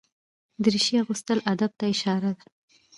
دریشي اغوستل ادب ته اشاره ده.